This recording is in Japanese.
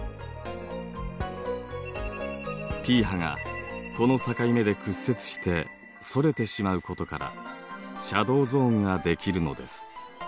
Ｐ波がこの境目で屈折してそれてしまうことからシャドーゾーンができるのです。